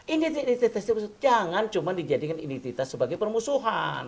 identitas identitas jangan cuma dijadikan identitas sebagai permusuhan